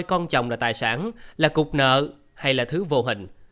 con chồng là tài sản là cục nợ hay là thứ vô hình